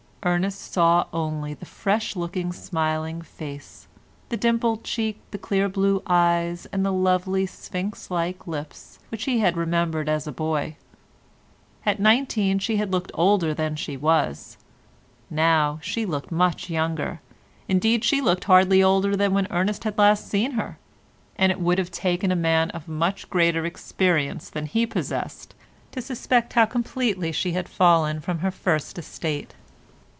Ernest saw only the fresh looking smiling face, the dimpled cheek, the clear blue eyes and lovely sphinx like lips which he had remembered as a boy. At nineteen she had looked older than she was, now she looked much younger; indeed she looked hardly older than when Ernest had last seen her, and it would have taken a man of much greater experience than he possessed to suspect how completely she had fallen from her first estate.